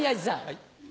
はい。